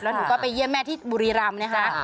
หนูก็ไปเยี่ยมแม่ที่บุรีรำนะคะ